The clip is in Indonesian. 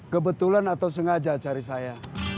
kebetulan atau sengaja cari saya